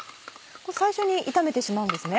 最初に炒めてしまうんですね。